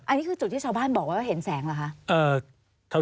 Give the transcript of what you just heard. อันนี้คือจุดที่ชาวบ้านบอกว่าเห็นแสงเหรอคะ